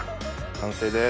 完成です。